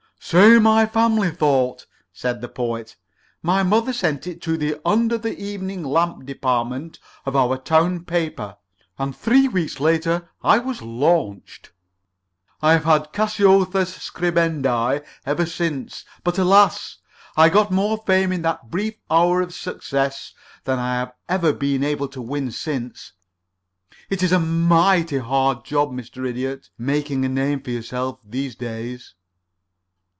"So my family thought," said the Poet. "My mother sent it to the Under the Evening Lamp Department of our town paper, and three weeks later I was launched. I've had the cacoethes scribendi ever since but, alas! I got more fame in that brief hour of success than I have ever been able to win since. It is a mighty hard job, Mr. Idiot, making a name for yourself these days."